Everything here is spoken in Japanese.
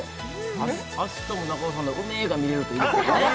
明日も中尾さんの「うめー！」が見れるといいですよね